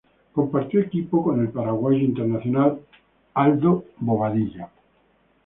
Compartió equipo con el paraguayo internacional Aldo Bobadilla.